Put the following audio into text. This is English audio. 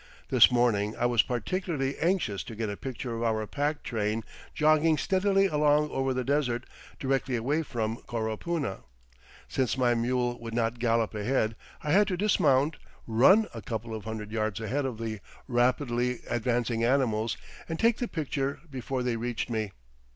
This morning I was particularly anxious to get a picture of our pack train jogging steadily along over the desert, directly away from Coropuna. Since my mule would not gallop ahead, I had to dismount, run a couple of hundred yards ahead of the rapidly advancing animals and take the picture before they reached me.